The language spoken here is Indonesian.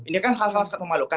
ini kan hal hal sangat memalukan